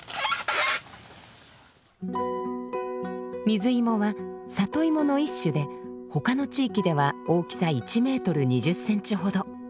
水芋は里芋の一種で他の地域では大きさ１メートル２０センチほど。